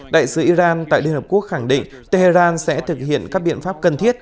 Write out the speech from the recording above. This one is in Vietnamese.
đại sứ iran tại liên hợp quốc khẳng định tehran sẽ thực hiện các biện pháp cần thiết